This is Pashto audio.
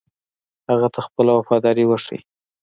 هغه ته خپله وفاداري وښيي.